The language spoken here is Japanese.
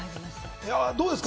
どうですか？